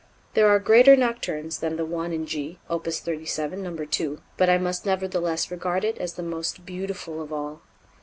There are greater nocturnes than the one in G, Opus 37, No. 2, but I must nevertheless regard it as the most beautiful of all.